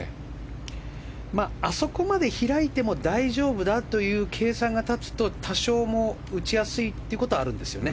あそこまで開いても大丈夫だという計算が立つと多少も打ちやすいってことはあるんですよね。